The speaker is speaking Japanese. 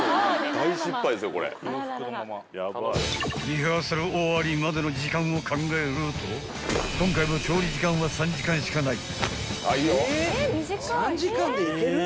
［リハーサル終わりまでの時間を考えると今回も調理時間は３時間しかない］